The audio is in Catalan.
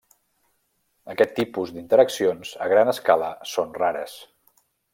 Aquest tipus d'interaccions a gran escala són rares.